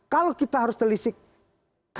kalau kita harus terlisik